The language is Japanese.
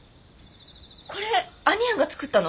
これ兄やんが作ったの？